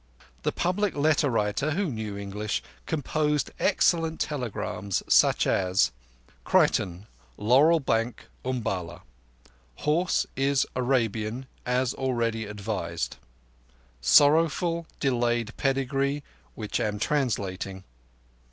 The public letter writer, who knew English, composed excellent telegrams, such as: "_Creighton, Laurel Bank, Umballa. Horse is Arabian as already advised. Sorrowful delayed pedigree which am translating.